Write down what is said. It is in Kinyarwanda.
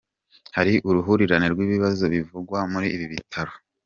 Hari uruhurirane rw’ibibazo bivugwa muri ibi bitaro.